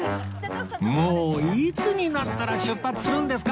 もういつになったら出発するんですか？